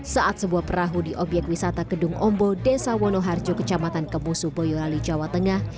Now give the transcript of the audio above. saat sebuah perahu di obyek wisata kedung ombo desa wonoharjo kecamatan kemusu boyolali jawa tengah